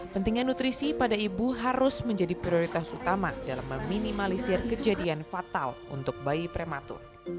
pentingnya nutrisi pada ibu harus menjadi prioritas utama dalam meminimalisir kejadian fatal untuk bayi prematur